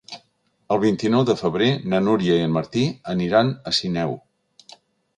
El vint-i-nou de febrer na Núria i en Martí aniran a Sineu.